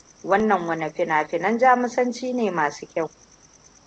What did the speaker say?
Wannan wane fina-finan Jamusanci ne masu kyau?